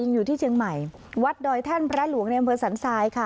ยังอยู่ที่เชียงใหม่วัดดอยท่านพระหลวงในบริษัทสายค่ะ